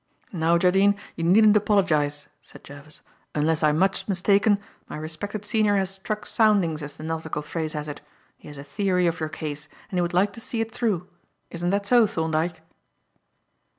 "Now, Jardine, you needn't apologize," said Jervis. "Unless I am much mistaken, my respected senior has 'struck soundings,' as the nautical phrase has it. He has a theory of your case, and he would like to see it through. Isn't that so, Thorndyke?"